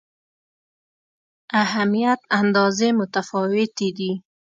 اهمیت اندازې متفاوتې دي.